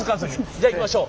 じゃあいきましょう。